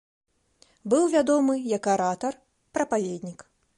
Быў вядомы як аратар, прапаведнік.